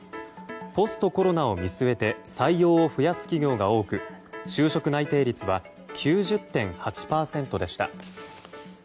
ポストコロナを見据えて採用を増やす企業が多く就職内定率は９０．８％でした。